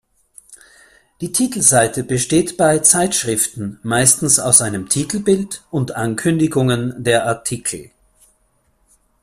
Die Titelseite besteht bei Zeitschriften meistens aus einem Titelbild und Ankündigungen der Artikel.